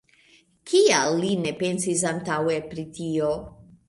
Kial li ne pensis antaŭe pri tio?